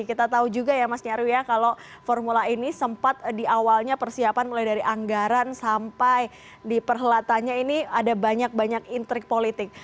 kita tahu juga ya mas nyarwi ya kalau formula e ini sempat di awalnya persiapan mulai dari anggaran sampai di perhelatannya ini ada banyak banyak intrik politik